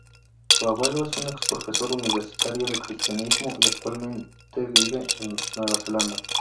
Su abuelo es un ex-profesor universitario de cristianismo y actualmente vive en Nueva Zelanda.